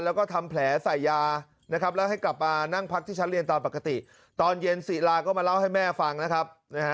แล้วก็ทำแผลใส่ยานะครับแล้วให้กลับมานั่งพักที่ชั้นเรียนตามปกติตอนเย็นศิลาก็มาเล่าให้แม่ฟังนะครับ